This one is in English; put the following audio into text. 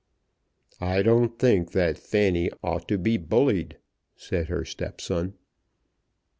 "I don't think that Fanny ought to be bullied," said her stepson.